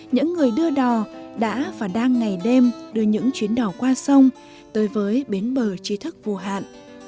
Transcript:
những người đưa đò đã và đang ngày đêm đưa những chuyến đò qua sông tới với bến bờ tri thức vô hạn